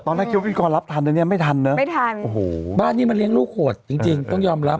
ตอนนั้นคิดว่าพี่กรรมรับทันแต่ยังไม่ทันเนอะบ้านนี้มันเลี้ยงลูกโหดจริงต้องยอมรับ